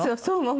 そう。